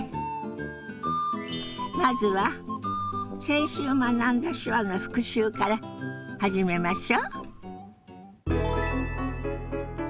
まずは先週学んだ手話の復習から始めましょ。